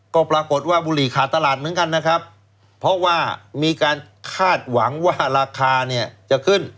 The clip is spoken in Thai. ก็ปรากฏว่าบุหรี่ขาดตลาดเหมือนกันนะครับเพราะว่ามีการคาดหวังว่าราคาเนี่ยจะขึ้น